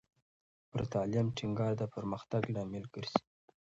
پر تعلیم ټینګار د پرمختګ لامل ګرځي.